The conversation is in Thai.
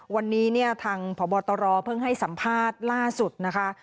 วันนี้เนี่ยทางพบตรเพิ่งให้สัมภาษณ์ล่าสุดนะคะ